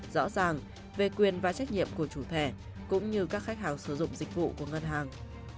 rõ ràng về quyền và trách nhiệm của chủ thẻ cũng như các khách hàng sử dụng dịch vụ của ngân hàng